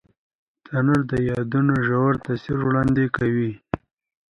تنور د یادونو ژور تصویر وړاندې کوي